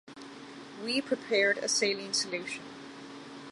We prepared a saline solution.